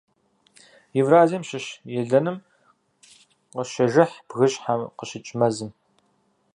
Евразием щыщ елэным къыщежыхь бгыщхьэм къыщыкӀ мэзым.